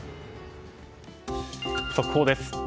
速報です。